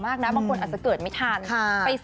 แม่ร้อนลุ้นอยู่ว่าจะตอบว่าอยากเป็นนักบอส